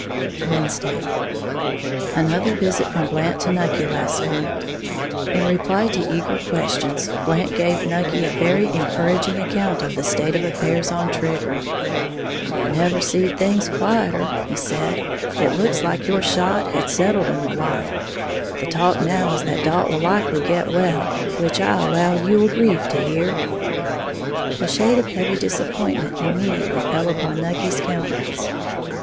Wednesday. Another visit from Blant to Nucky last night. In reply to eager questions, Blant gave Nucky a very encouraging account of the state of affairs on Trigger. "Never seed things quieter," he said; "it looks like your shot had settled 'em a while. The talk now is that Dalt will likely get well, which I allow you will grieve to hear." A shade of heavy disappointment immediately fell upon Nucky's countenance.